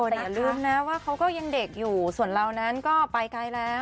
แต่อย่าลืมนะว่าเขาก็ยังเด็กอยู่ส่วนเรานั้นก็ไปไกลแล้ว